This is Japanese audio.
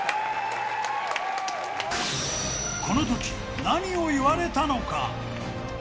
このとき、何を言われたのか。